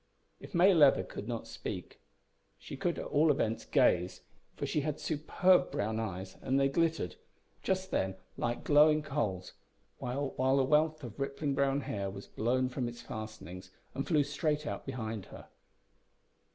If May Leather could not speak, she could at all events gaze, for she had superb brown eyes, and they glittered, just then, like glowing coals, while a wealth of rippling brown hair was blown from its fastenings, and flew straight out behind her.